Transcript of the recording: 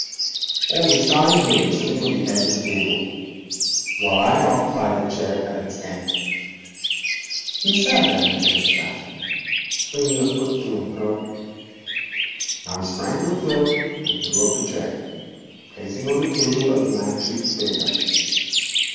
All this time he had been sitting on the edge of the table, while I occupied a chair at its end. He sat there in careless fashion, swinging a foot to and fro. Now he sprang to the floor, and drew up a chair, placing on the table a blank sheet of paper.